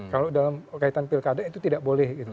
kalau dalam kaitan pilkade itu tidak boleh